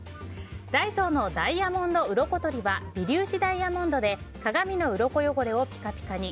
ダイソーのダイヤモンドうろこ取りは微粒子ダイヤモンドで鏡のうろこ汚れをピカピカに。